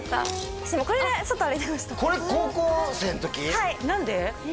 はい何で？